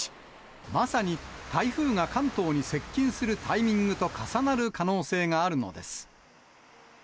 まさに、台風が関東に接近するタイミングと重なる可能性があるのです。